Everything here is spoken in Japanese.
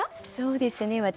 そうですね